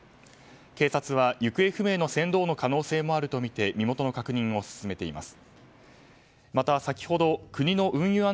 警察は行方不明の船頭の可能性もあるとみて身元の確認を進めています。